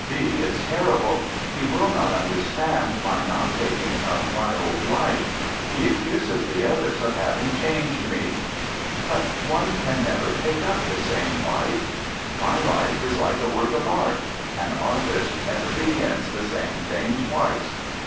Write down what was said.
D is terrible; he will not understand my not taking up my old life; he accuses the others of having changed me. ... But one can never take up the same life. ... My life is like a work of art; an artist never begins the same thing twice.